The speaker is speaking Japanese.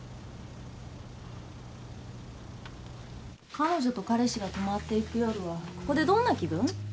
彼女と彼氏が泊まっていく夜はここでどんな気分？